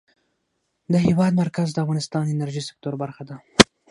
د هېواد مرکز د افغانستان د انرژۍ سکتور برخه ده.